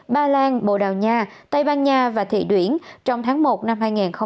ba lan bộ đào nha tây ban nha và thị đuyển trong tháng một năm hai nghìn hai mươi hai